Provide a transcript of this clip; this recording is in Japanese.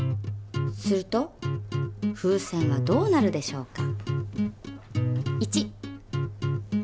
すると風船はどうなるでしょうか？